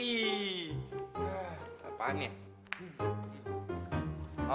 hah apaan ya